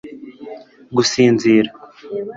gusinzira